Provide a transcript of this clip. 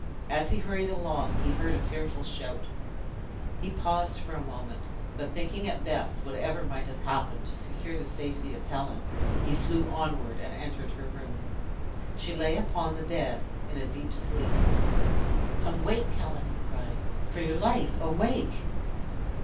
As he hurried along, he heard a fearful shout. He paused for a moment, but thinking it best, whatever might have happened, to secure the safety of Helen, he flew onward, and entered her room. She lay upon the bed in a deep sleep. "Awake, Helen!" he cried; "for your life, awake!"